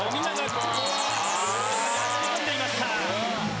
ここは切り込んでいました。